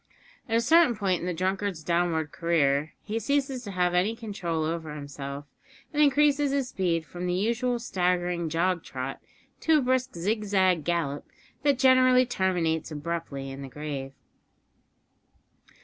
At a certain point in the drunkard's downward career he ceases to have any control over himself, and increases his speed from the usual staggering jog trot to a brisk zigzag gallop that generally terminates abruptly in the grave.